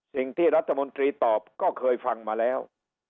สิ่งที่รัฐมนตรีตอบก็เคยฟังมาแล้ว